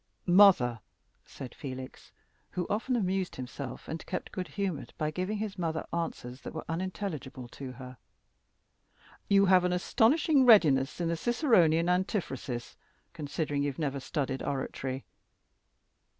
] "Mother," said Felix, who often amused himself and kept good humored by giving his mother answers that were unintelligible to her, "you have an astonishing readiness in the Ciceronian antiphrasis, considering you have never studied oratory.